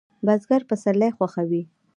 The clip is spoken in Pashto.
بزګر پسرلی خوښوي